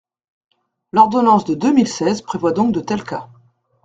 L’ordonnance de deux mille seize prévoit donc de tels cas.